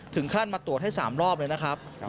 มาตรวจให้๓รอบเลยนะครับ